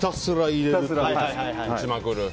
打ちまくる。